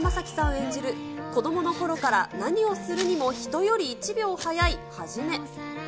演じる子どものころから何をするにも人より１秒早い一。